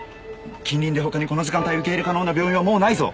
近隣で他にこの時間帯受け入れ可能な病院はもうないぞ。